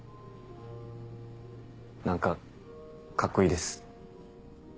なんかかっこいいです。